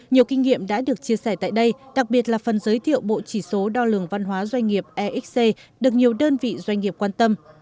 nhiều kinh nghiệm đã được chia sẻ tại đây đặc biệt là phần giới thiệu bộ chỉ số đo lường văn hóa doanh nghiệp exc được nhiều đơn vị doanh nghiệp quan tâm